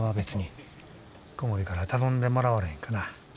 小森から頼んでもらわれへんかな。